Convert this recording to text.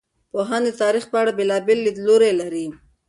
پوهان د تاریخ په اړه بېلابېل لیدلوري لري.